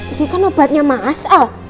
ini kan obatnya mas